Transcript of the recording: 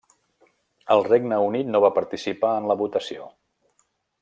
El Regne Unit no va participar en la votació.